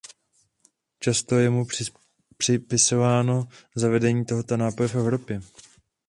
Často je mu připisováno zavedení tohoto nápoje v Evropě.